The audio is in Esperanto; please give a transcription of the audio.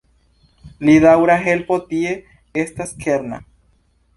Lia daŭra helpo tie estas kerna.